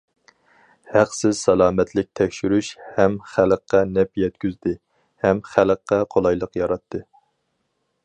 ھەقسىز سالامەتلىك تەكشۈرۈش ھەم خەلققە نەپ يەتكۈزدى، ھەم خەلققە قولايلىق ياراتتى.